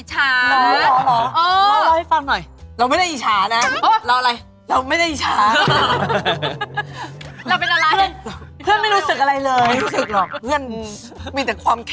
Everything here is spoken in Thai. ใช่